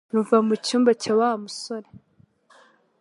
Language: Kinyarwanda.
ruva mucyumba cya Wa musore